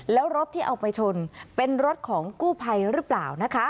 แล้วรถที่เอาไปชนเป็นรถของกู้ภัยหรือเปล่านะคะ